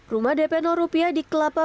rumah dp rupiah di kelapa